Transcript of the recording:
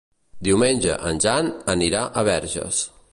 Diumenge en Jan anirà a Verges.